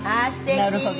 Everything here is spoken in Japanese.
なるほど。